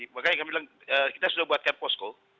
makanya kami bilang kita sudah buatkan posko